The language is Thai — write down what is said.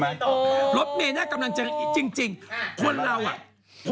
ไม่ใช่ไงวงการ